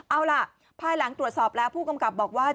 เอาล่ะภายหลังตรวจสอบแล้วผู้กำกับบอกว่า